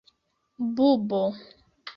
Bubo.